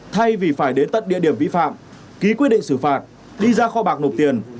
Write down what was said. thay vì phải đến tận địa điểm vi phạm ký quyết định xử phạt đi ra kho bạc nộp tiền